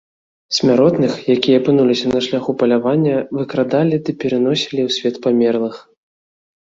Смяротных, якія апынуліся на шляху палявання, выкрадалі ды пераносілі ў свет памерлых.